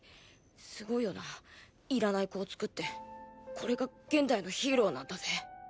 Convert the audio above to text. すごいよないらない子をつくってこれが現代のヒーローなんだぜ。